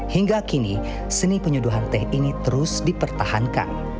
hingga kini seni penyuduhan teh ini terus dipertahankan